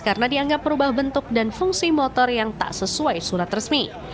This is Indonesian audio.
karena dianggap merubah bentuk dan fungsi motor yang tak sesuai surat resmi